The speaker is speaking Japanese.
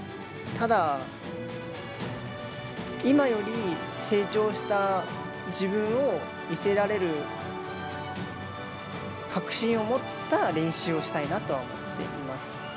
ただ、今より成長した自分を見せられる確信を持った練習をしたいなと思っています。